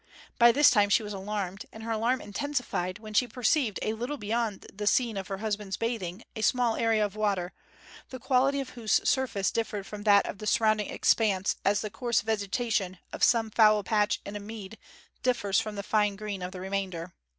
By this time she was alarmed, and her alarm intensified when she perceived a little beyond the scene of her husband's bathing a small area of water, the quality of whose surface differed from that of the surrounding expanse as the coarse vegetation of some foul patch in a mead differs from the fine green of the remainder.